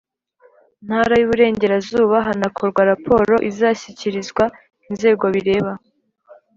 Ntara y Uburengerazuba hanakorwa raporo izashyikirizwa inzego bireba